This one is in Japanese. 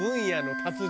達人。